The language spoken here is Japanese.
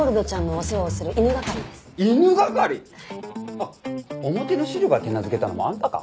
あっ表のシルバー手なずけたのもあんたか。